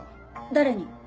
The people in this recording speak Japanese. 誰に？